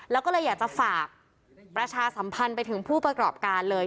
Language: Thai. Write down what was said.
แล้วก็เลยอยากจะฝากประชาสัมพันธ์ไปถึงผู้ประกอบการเลย